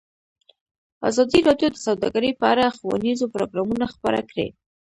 ازادي راډیو د سوداګري په اړه ښوونیز پروګرامونه خپاره کړي.